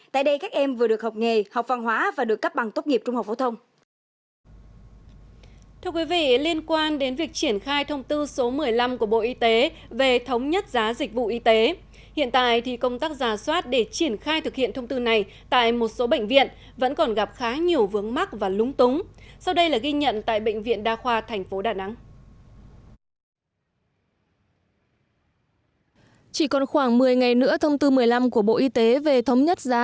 tại đây các em vừa được học nghề học văn hóa và được cấp bằng tốt nghiệp trung học phổ thông